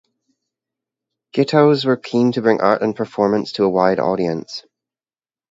Gittoes was keen to bring art and performance to a wide audience.